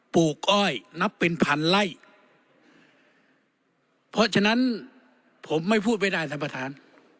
ลูกอ้อยนับเป็นพันไล่เพราะฉะนั้นผมไม่พูดไม่ได้ท่านประธาน